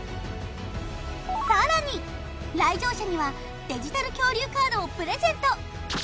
さらに来場者にはデジタル恐竜カードをプレゼント